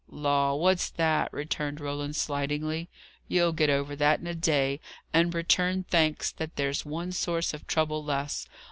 "Law, what's that?" returned Roland, slightingly. "You'll get over that in a day, and return thanks that there's one source of trouble less.